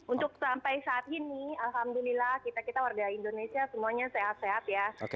untuk sampai saat ini alhamdulillah kita kita warga indonesia semuanya sehat sehat ya